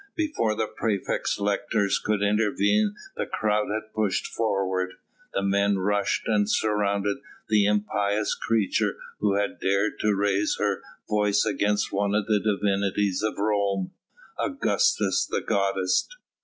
Before the praefect's lictors could intervene the crowd had pushed forward; the men rushed and surrounded the impious creature who had dared to raise her voice against one of the divinities of Rome: Augusta the goddess.